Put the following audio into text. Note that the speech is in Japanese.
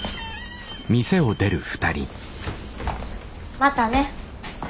またね。